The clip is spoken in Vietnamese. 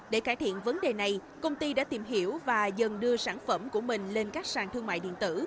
để cải thiện vấn đề này công ty đã tìm hiểu và dần đưa sản phẩm của mình lên các sàn thương mại điện tử